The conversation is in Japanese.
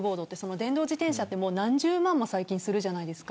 電動自転車って何十万もするじゃないですか。